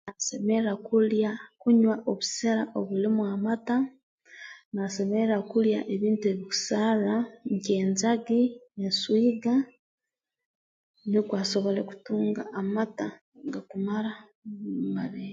Naasemerra kulya kunywa obusera obulimu amata naasemerra kulya ebintu ebikusarra nk'enjagi enswiga nukwo asobole kutunga amata gakumara mu mabeere